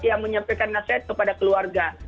yang menyampaikan nasihat kepada keluarga